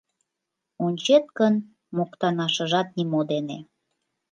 Ончет гын, моктанашыжат нимо дене.